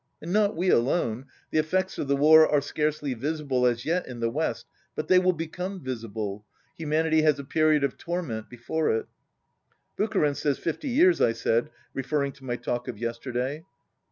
And not we alone. The effects of the war are scarcely visible as yet in the west, but they will become visible. Humanity has a period of tor ment before it. ..." "Bucharin says fifty years," I said, referring to my talk of yesterday.